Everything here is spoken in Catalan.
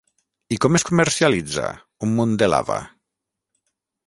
I com es comercialitza, un munt de lava?